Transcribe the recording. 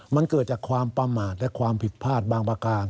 มันเกิดจากความประมาทและความผิดพลาดบางประการ